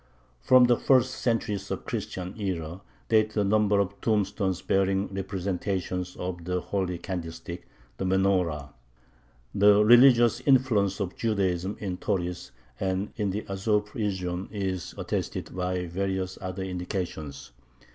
From the first centuries of the Christian era date a number of tombstones bearing representations of the holy candlestick, the Menorah. The religious influence of Judaism in Tauris and in the Azov region is attested by various other indications.